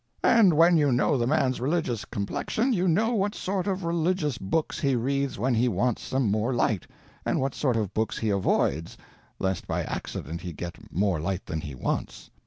And when you know the man's religious complexion, you know what sort of religious books he reads when he wants some more light, and what sort of books he avoids, lest by accident he get more light than he wants.